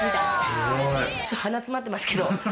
ちょっと鼻詰まってますけど。